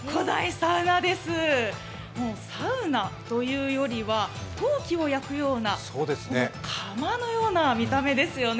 サウナというよりは、陶器を焼くような窯のような見た目ですよね。